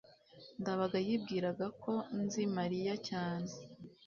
ndabaga yibwiraga ko nzi mariya cyane